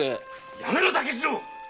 やめろ竹次郎！